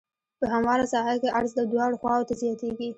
په همواره ساحه کې عرض دواړو خواوو ته زیاتیږي